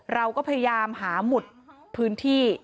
เราก็พยายามหาหมุดพื้นที่